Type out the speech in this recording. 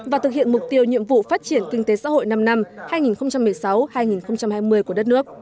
và thực hiện mục tiêu nhiệm vụ phát triển kinh tế xã hội năm năm hai nghìn một mươi sáu hai nghìn hai mươi của đất nước